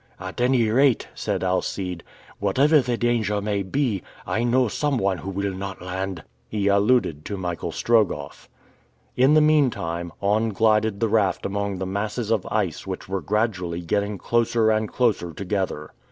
"At any rate," said Alcide, "whatever the danger may be, I know some one who will not land!" He alluded to Michael Strogoff. In the meantime, on glided the raft among the masses of ice which were gradually getting closer and closer together.